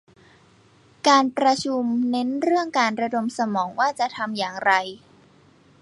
การประชุมเน้นเรื่องการระดมสมองว่าจะทำอย่างไร